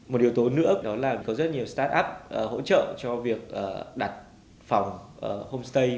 một điều tố nữa là có rất nhiều start up hỗ trợ cho việc đặt phòng homestay